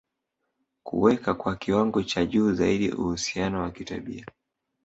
kuweka kwa kiwango cha juu zaidi uhusiano wa kitabia